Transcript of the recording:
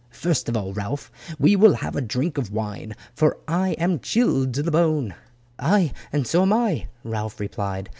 "First of all, Ralph, we will have a drink of wine, for I am chilled to the bone." "Aye, and so am I," Ralph replied.